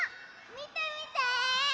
みてみて！